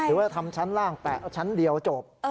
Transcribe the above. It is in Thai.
หรือว่าทำชั้นล่างแปะชั้นเดียวจบ